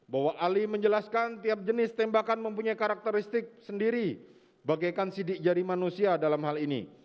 bahwa ali menjelaskan tiap jenis tembakan mempunyai karakteristik sendiri bagaikan sidik jari manusia dalam hal ini